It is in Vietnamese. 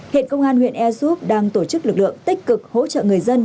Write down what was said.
hiện công an huyện air soup đang tổ chức lực lượng tích cực hỗ trợ người dân